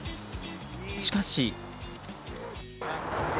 しかし。